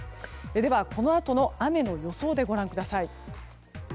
では、このあとの雨の予想でご覧ください。